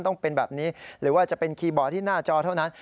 ต้องเป็นแบบนี้หรือว่าจะเป็นคีย์บอร์ดที่หน้าจอเท่านั้น